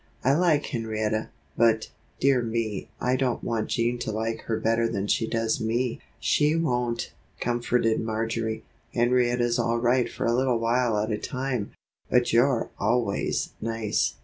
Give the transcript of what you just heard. "I like Henrietta; but, dear me, I don't want Jean to like her better than she does me." "She won't," comforted Marjory. "Henrietta's all right for a little while at a time, but you're always nice."